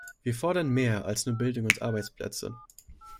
Wir fordern mehr als nur Bildung und Arbeitsplätze.